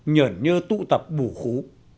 nhởn như tụ tập bù khú